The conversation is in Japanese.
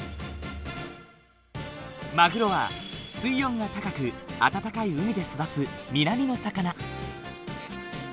マグロは水温が高く温かい海で育つ南の魚。